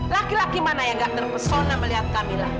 laki laki mana yang nggak terpesona melihat kamila